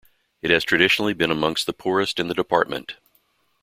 It has traditionally been amongst the poorest in the department.